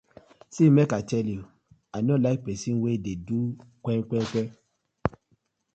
See mek I tell yu, I no like pesin wey de do kwe kwe kwe.